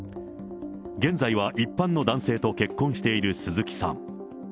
現在は一般の男性と結婚している鈴木さん。